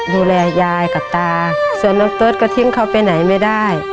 ดูแลยายกับตาส่วนน้องเติร์ทก็ทิ้งเขาไปไหนไม่ได้